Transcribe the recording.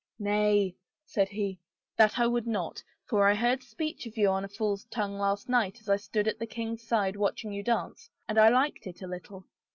" Nay," said he, " that would I not, for I heard speech of you on a fool's tongue last night as I stood at the king's side watching you dance, and I liked it little.